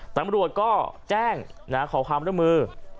ตัวอำรวจก็แจ้งนะฮะขอความร่วมมือ